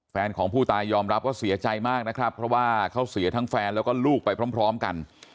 แฟนของผู้ตายยอมรับว่าเสียใจมากนะครับเพราะว่าเขาเสียทั้งแฟนแล้วก็ลูกไปพร้อมกัน